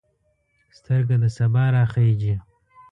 سترګه د سبا راخیژې